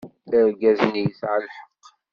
Argaz-nni yesɛa lḥeqq.